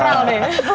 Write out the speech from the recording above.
itu final deh